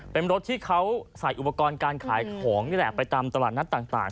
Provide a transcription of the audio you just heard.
เป็นรถที่เขาใส่อุปกรณ์การขายของนี่แหละไปตามตลาดนัดต่าง